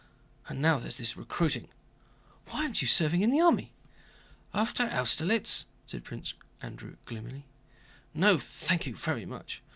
And now there's this recruiting." "Why aren't you serving in the army?" "After Austerlitz!" said Prince Andrew gloomily. "No, thank you very much!